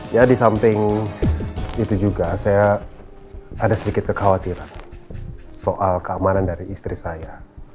ya di samping itu juga saya ada sedikit kekhawatiran soal keamanan dari istri saya